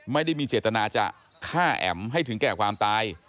ไม่ได้มีเจตนาจะฆ่าแอ๋มให้ถึงแก่ความตาย